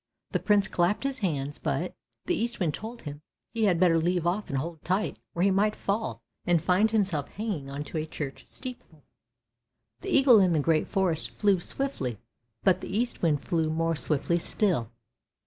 The Prince clapped his hands, but 164 ANDERSEN'S FAIRY TALES the Eastwind told him he had better leave off and hold tight, or he might fall and find himself hanging on to a church steeple. The eagle in the great forest flew swiftly, but the Eastwind flew more swiftly still.